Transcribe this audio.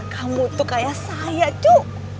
kamu tuh kayak saya tuh